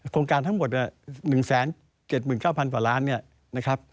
โครงการทั้งหมด๑๗๙๐๐๐บาท